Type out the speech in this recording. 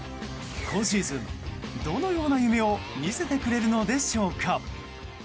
今シーズン、どのような夢を見せてくれるのでしょうか。